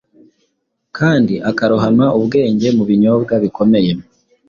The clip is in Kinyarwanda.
kandi akarohama ubwenge Mu binyobwa bikomeye,